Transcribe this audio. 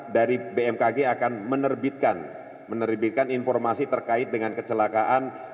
dari bmkg akan menerbitkan informasi terkait dengan kecelakaan